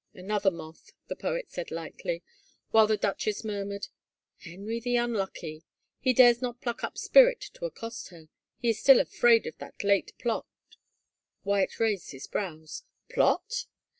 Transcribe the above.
" Another moth," the poet said lightly while the duchess murmured, " Henry the Unlucky. ... He dares not pluck up spirit to accost her — he is still afraid of that late plot —" Wyatt raised his brows. " Plot